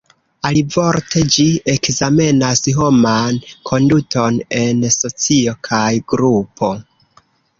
Alivorte, ĝi ekzamenas homan konduton en socio kaj grupo.